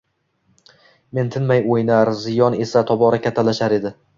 Men tinmay oʻynar, ziyon esa tobora kattalashar edi